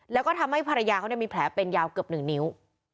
แล้วก็ทำให้ภรรยาเขามีแผลเป็นยาวเกือบ๑นิ้ว